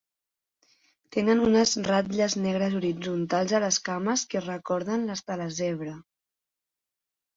Tenen unes ratlles negres horitzontals a les cames que recorden les de la zebra.